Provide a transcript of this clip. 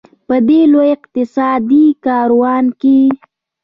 په دې لوی اقتصادي کاروان کې.